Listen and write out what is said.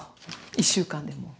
１週間でも。